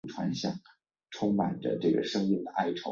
两国总统都没有直接通过电话